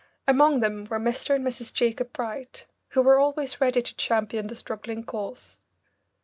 Among them were Mr. and Mrs. Jacob Bright, who were always ready to champion the struggling cause.